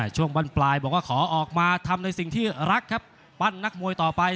ช่วงบันปลายบอกว่าขอออกมาทำในสิ่งที่รักครับปั้นนักมวยต่อไป